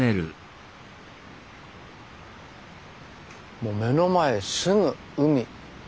もう目の前すぐ海。